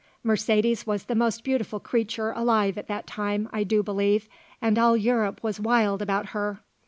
Mercedes was the most beautiful creature alive at that time, I do believe, and all Europe was wild about her.